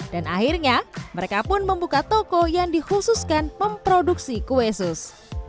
dan akhirnya mereka pun membuka toko yang dikhususkan memproduksi kue sus